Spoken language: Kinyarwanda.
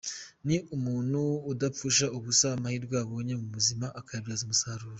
Ni umuntu udapfusha ubusa amahirwe abonye mu buzima akayabyaza umusaruro.